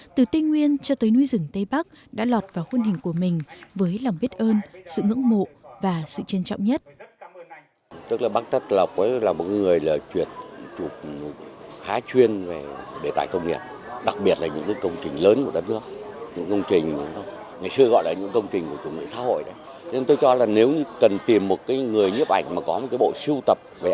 từ tây nguyên cho tới nuôi rừng tây bắc đã lọt vào khuôn hình của mình với lòng biết ơn sự ngưỡng mộ và sự trân trọng nhất